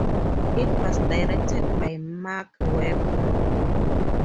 It was directed by Marc Webb.